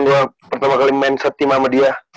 gue pertama kali main seti sama dia